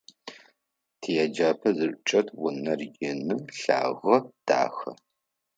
Тиеджапӏэ зычӏэт унэр ины, лъагэ, дахэ.